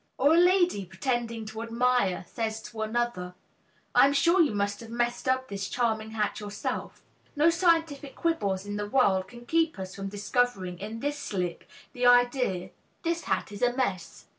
Or a lady, pretending to admire, says to another, "I am sure you must have messed up this charming hat yourself." No scientific quibbles in the world can keep us from discovering in this slip the idea "this hat is a mess."